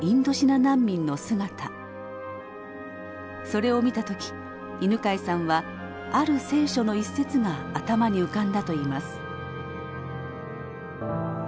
それを見た時犬養さんはある「聖書」の一節が頭に浮かんだと言います。